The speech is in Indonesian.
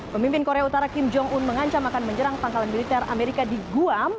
pemimpin korea utara kim jong un mengancam akan menyerang pangkalan militer amerika di guam